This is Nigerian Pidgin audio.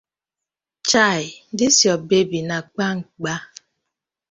Chai dis yur babe na kpangba.